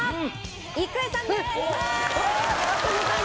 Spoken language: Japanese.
郁恵さんです！